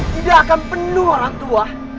tidak akan penuh orang tua